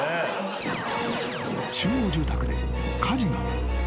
［集合住宅で火事が］